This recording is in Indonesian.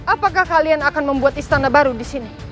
apakah kalian akan membuat istana baru di sini